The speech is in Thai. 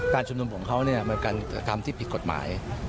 การชุมนุมของเขามันการทำที่ผิดกฎหมาย